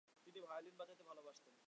তিনি ভায়োলিন বাজাতে ভালবাসতেন।